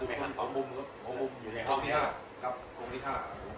หลังจากนี้ก็ได้เห็นว่าหลังจากนี้ก็ได้เห็นว่า